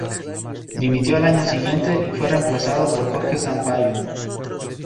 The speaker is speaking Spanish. Dimitió al año siguiente y fue reemplazado por Jorge Sampaio.